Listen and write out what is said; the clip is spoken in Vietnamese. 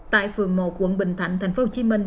tại phường một quận bình thạnh tp hcm